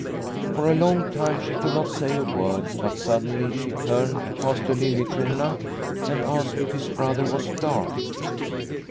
For a long time she could not say a word, but sud denly she turned to Pastor Liliecrona and asked if his brother was dark.